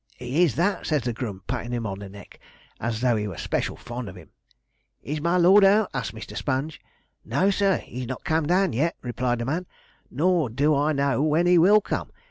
"He is that," said the grum, patting him on the neck, as though he were special fond on him. "Is my lord out?" asked Mr. Sponge. "No, sir; he's not come down yet," replied the man, "nor do I know when he will come.